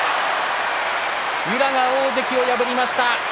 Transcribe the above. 宇良が大関を破りました。